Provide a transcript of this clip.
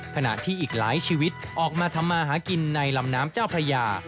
ขณะที่อีกหลายชีวิตออกมาทำมาหากินในลำน้ำเจ้าพระยา